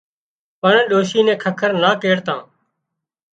پڻ ڏوشِي نين ککر نا ڪيڙتان